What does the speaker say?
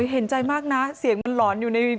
เห็นใจมากนะเสียงมันหลอนอยู่ใน